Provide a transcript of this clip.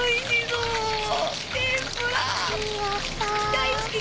大好き。